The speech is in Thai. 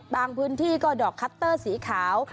พื้นที่ก็ดอกคัตเตอร์สีขาว